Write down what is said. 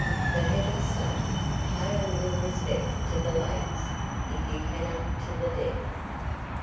For heaven's sake, pay a little respect to the ladies, if you cannot to the dead."